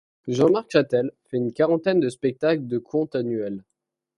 Jean-Marc Chatel fait une quarantaine de spectacles de conte annuellement.